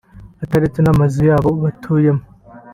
ataretse n’amazu yabo batuyemo